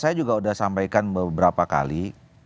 saya juga sudah sampaikan beberapa kali